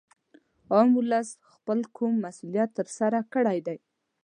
عام ولس خپل کوم مسولیت تر سره کړی دی